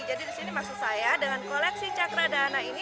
jadi disini maksud saya dengan koleksi cakra dahana ini